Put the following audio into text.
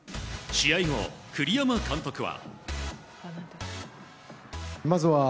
試合後、栗山監督は。